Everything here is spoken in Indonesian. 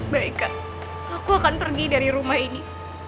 baik kak aku akan pergi dari rumah ini